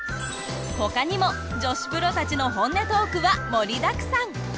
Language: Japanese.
他にも女子プロたちの本音トークは盛りだくさん。